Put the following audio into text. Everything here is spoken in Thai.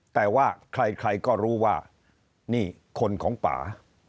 แต่ว่าใครก็รู้ว่านี่คนของป่า